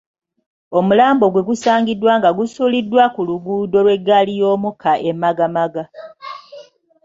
Omulambo gwe gusaangiddwa nga gusuuliddwa ku luguudo lw'eggali y'omukka e Magamaga